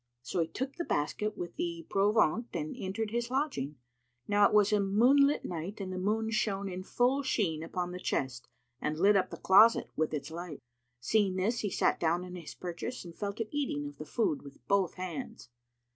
So he took the basket with the provaunt and entered his lodging. Now it was a moonlight night and the moon shone in full sheen upon the chest and lit up the closet with its light, seeing this he sat down on his purchase and fell to eating of the food with both hands.